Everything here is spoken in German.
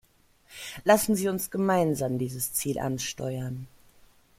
Lassen Sie uns gemeinsam dieses Ziel ansteuern.